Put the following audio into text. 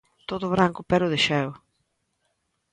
Todo branco pero de xeo.